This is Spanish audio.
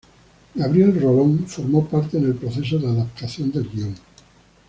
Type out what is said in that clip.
Gabriel Rolón formó parte en el proceso de adaptación del guión.